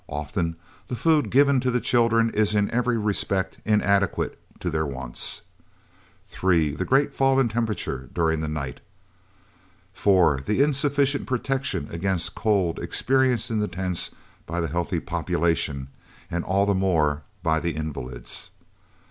Often the food given to the children is in every respect inadequate to their wants. 3. The great fall in temperature during the night. 4. The insufficient protection against cold experienced in the tents by the healthy population, and all the more by the invalids.